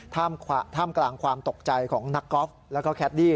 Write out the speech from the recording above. ท่ามกลางความตกใจของนักกอล์ฟแล้วก็แคดดี้